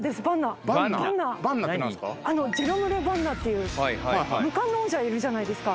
あのジェロム・レ・バンナっていう無冠の王者いるじゃないですか